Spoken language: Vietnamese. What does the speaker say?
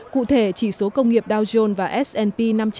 cụ thể chỉ số công nghiệp dow jones và s p năm trăm linh